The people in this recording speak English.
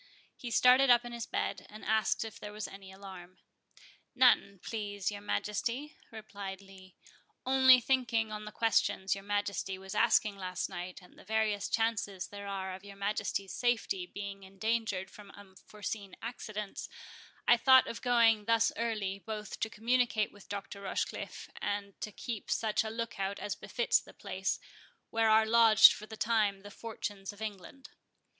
He started up in his bed, and asked if there was any alarm. "None, please your Majesty," replied Lee; "only, thinking on the questions your Majesty was asking last night, and the various chances there are of your Majesty's safety being endangered from unforeseen accidents, I thought of going thus early, both to communicate with Dr. Rochecliffe, and to keep such a look out as befits the place, where are lodged for the time the Fortunes of England.